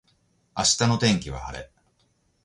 明日の天気は晴れ